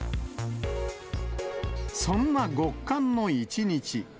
そんな極寒の一日。